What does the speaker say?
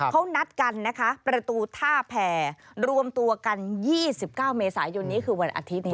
เขานัดกันนะคะประตูท่าแผ่รวมตัวกัน๒๙เมษายนนี้คือวันอาทิตย์นี้